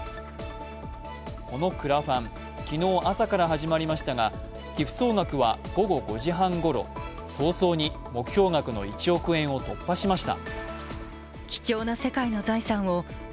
このクラファン、昨日朝から始まりましたが、寄付総額は午後５時半ごろ、早々に目標額の１億円を突破しました。